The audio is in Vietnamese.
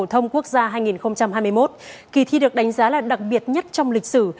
thông quốc gia hai nghìn hai mươi một kỳ thi được đánh giá là đặc biệt nhất trong lịch sử